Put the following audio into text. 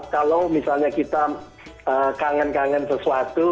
kalau misalnya kita kangen kangen sesuatu